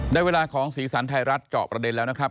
ได้เวลาของสีสันไทยรัฐเจาะประเด็นแล้วนะครับ